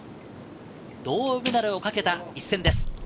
銅メダルをかけた一戦です。